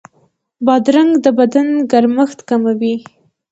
بادرنګ د بدن ګرمښت کموي.